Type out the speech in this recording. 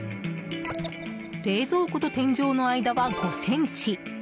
冷蔵庫と天井の間は５ｃｍ。